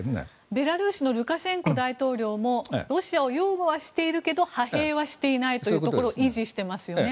ベラルーシのルカシェンコ大統領もロシアを擁護はしているけれど派兵はしないというところを維持していますよね。